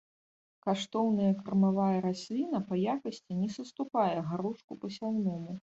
Каштоўная кармавая расліна, па якасці не саступае гарошку пасяўному.